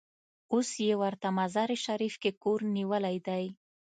اوس یې ورته مزار شریف کې کور نیولی دی.